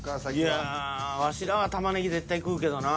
いやワシらは玉ネギ絶対食うけどなぁ。